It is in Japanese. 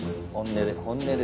本音で。